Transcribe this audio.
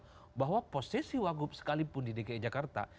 artinya bahwa posisi wakup sekalipun di dki jakarta